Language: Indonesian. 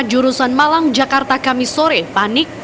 jurusan malang jakarta kami sore panik